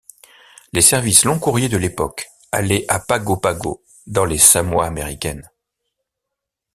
Les services longs-courriers de l'époque allaient à Pago Pago, dans les Samoa américaines.